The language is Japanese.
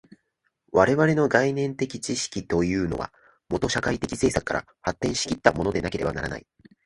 我々の概念的知識というのは、もと社会的制作から発展し来ったものでなければならない。